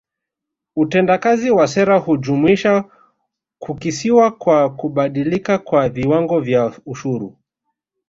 Utendakazi wa sera hujumuisha kukisiwa kwa kubadilika kwa viwango vya ushuru